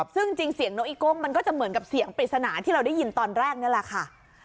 ซึ่งจริงเสียงนกอีโก้งมันก็จะเหมือนกับเสียงปริศนาที่เราได้ยินตอนแรกนี่แหละค่ะ